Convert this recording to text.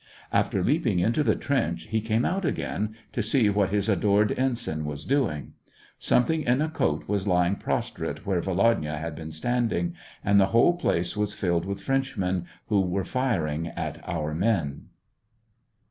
After leaping into the trench, he came out again to see what his adored ensign was dong. Something in a coat was lying pros trate where Volodya had been standing, and the whole place was filled with Frenchmen, who were firing at our men.